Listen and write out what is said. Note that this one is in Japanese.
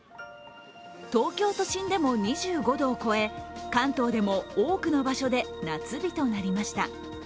東京都心でも２５度を超え、関東でも多くの場所で夏日となりました。